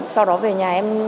sau đó về nhà em